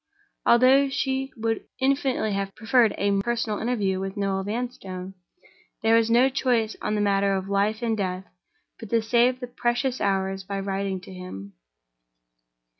Although she would infinitely have preferred a personal interview with Noel Vanstone, there was no choice on a matter of life and death but to save the precious hours by writing to him.